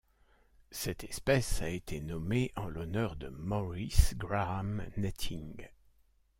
Cette espèce a été nommée en l'honneur de Morris Graham Netting.